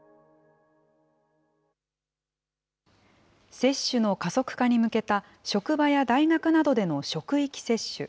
接種の加速化に向けた、職場や大学などでの職域接種。